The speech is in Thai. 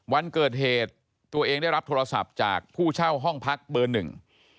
วันเกิดเหตุตัวเองได้รับโทรศัพท์จากผู้เช่าห้องพักเบอร์หนึ่ง